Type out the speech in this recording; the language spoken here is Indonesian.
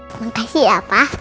terima kasih papa